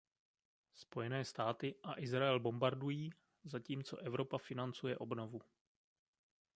Spojené státy a Izrael bombardují, zatímco Evropa financuje obnovu.